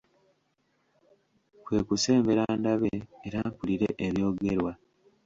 Kwe kusembera ndabe era mpulire ebyogerwa.